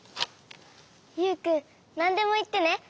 ユウくんなんでもいってね。